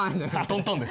トントンです。